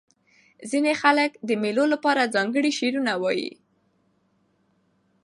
ځیني خلک د مېلو له پاره ځانګړي شعرونه وايي.